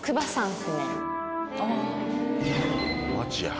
マジや。